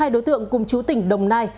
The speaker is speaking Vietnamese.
hai đối tượng cùng chú tỉnh đồng nai